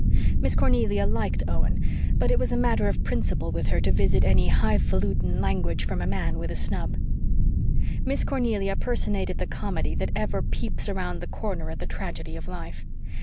Miss Cornelia liked Owen; but it was a matter of principle with her to visit any "high falutin" language from a man with a snub. Miss Cornelia personated the comedy that ever peeps around the corner at the tragedy of life.